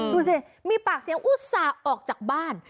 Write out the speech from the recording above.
ดูสิมีปากเสียงอุตส่าห์ออกจากบ้าน